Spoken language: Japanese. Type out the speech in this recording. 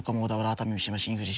熱海三島新富士